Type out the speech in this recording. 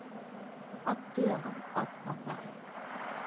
Ат тояғын ат баҫа.